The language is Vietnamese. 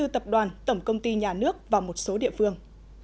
hai mươi tập đoàn tổng công ty nhà nước và một số địa phương